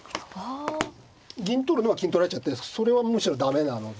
銀取るのは金取られちゃってそれはむしろ駄目なので。